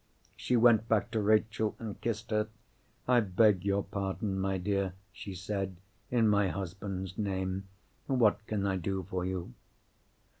She went back to Rachel and kissed her. "I beg your pardon, my dear," she said, "in my husband's name. What can I do for you?"